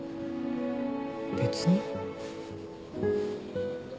別に。